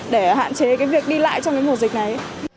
để hạn chế việc đi lại trong mùa dịch này